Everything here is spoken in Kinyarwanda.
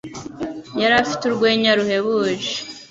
Yari afite urwenya ruhebuje.